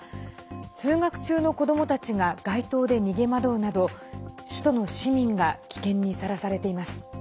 通学中の子どもたちが街頭で逃げ惑うなど首都の市民が危険にさらされています。